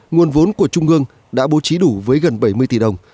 nguồn vốn của trung ương đã bố trí đủ với gần bảy mươi tỷ đồng